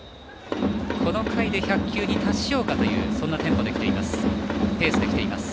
この回で１００球に達しようかという、そんなペースできています。